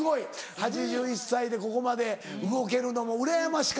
８１歳でここまで動けるのもうらやましかったり。